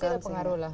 pasti ada pengaruh lah